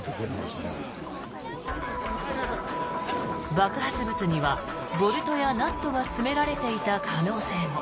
爆発物にはボルトやナットが詰められていた可能性も。